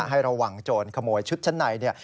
ให้ระวังโจรขโมยชุดชั้นใน